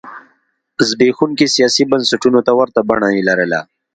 زبېښونکو سیاسي بنسټونو ته ورته بڼه یې لرله.